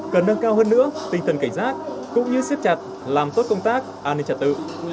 cần nâng cao hơn nữa tinh thần cảnh giác cũng như siết chặt làm tốt công tác an ninh trật tự